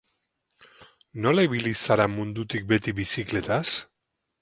Nola ibili zara mundutik beti bizikletaz?